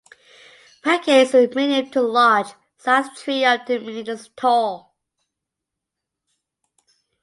Pacay is a medium to large sized tree up to meters tall.